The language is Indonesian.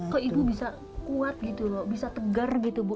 kok ibu bisa kuat gitu loh bisa tegar gitu bu